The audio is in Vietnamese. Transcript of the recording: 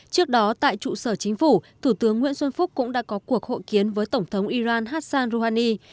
trước đó tại trụ sở chính phủ thủ tướng nguyễn xuân phúc cũng đã có cuộc hội kiến với tổng thống iran hassan rouhani